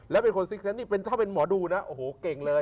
แล้วเป็นคนสิคเซ็นต์ถ้าเป็นหมอดูนะเก่งเลย